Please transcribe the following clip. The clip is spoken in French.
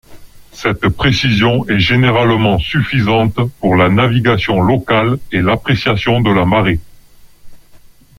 Cette précision est généralement suffisante pour la navigation locale et l'appréciation de la marée.